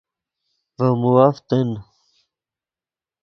ڤے مووف تن